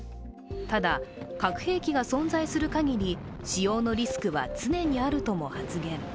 ただ、核兵器が存在する限り、使用のリスクは常にあるとも発言。